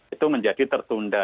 itu menjadi tertunda